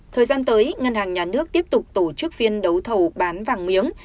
thời gian tới ngân hàng nhà nước tiếp tục tổ chức phiên đấu thầu bán vàng miếng